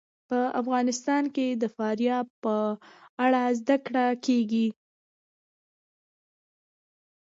په افغانستان کې د فاریاب په اړه زده کړه کېږي.